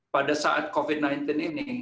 pada saat covid sembilan belas ini